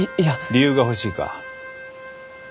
理由が欲しいか？